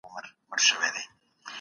فابریکې څنګه د تولید پلان بدلوي؟